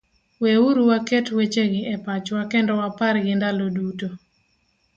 Weuru waket wechegi e pachwa kendo wapargi ndalo duto: